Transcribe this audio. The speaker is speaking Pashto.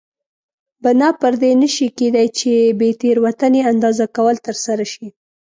بنا پر دې نه شي کېدای چې بې تېروتنې اندازه کول ترسره شي.